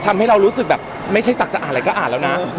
ทำให้เรารู้สึกแบบไม่ใช่ศักดิ์อ่านอะไรก็อ่านแล้วนะ